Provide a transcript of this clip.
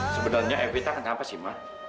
sebenarnya evita kenapa sih ma